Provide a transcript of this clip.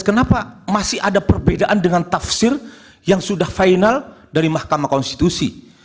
kenapa masih ada perbedaan dengan tafsir yang sudah final dari mahkamah konstitusi